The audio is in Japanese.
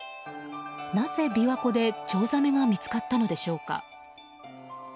なぜ琵琶湖でチョウザメが見つかったのでしょうか。